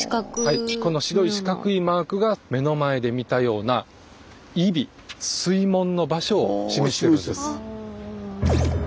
はいこの白い四角いマークが目の前で見たような井樋水門の場所を示してるんです。